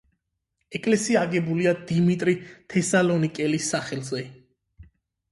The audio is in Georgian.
ეკლესია აგებულია დიმიტრი თესალონიკელის სახელზე.